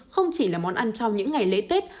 không chỉ là món ăn trong những ngày lễ tết